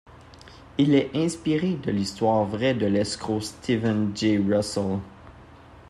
Il est inspiré de l'histoire vraie de l'escroc Steven Jay Russell.